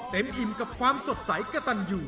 อิ่มกับความสดใสกระตันอยู่